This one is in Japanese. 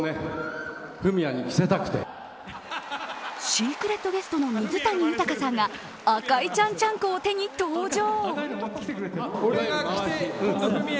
シークレットゲストの水谷豊さんが赤いちゃんちゃんこを手に登場。